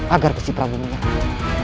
agar mesti prabu menyerang